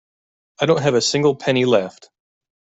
I don't have a single penny left.